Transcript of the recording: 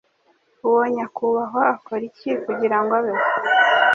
Uwo nyakubahwa akora iki kugirango abeho?